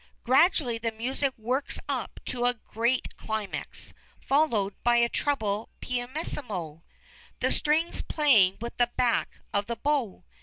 Gradually the music works up to a great climax, ... followed by a treble pianissimo, the strings playing with the back of the bow.